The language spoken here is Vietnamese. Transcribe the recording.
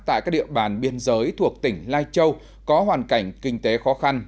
tại các địa bàn biên giới thuộc tỉnh lai châu có hoàn cảnh kinh tế khó khăn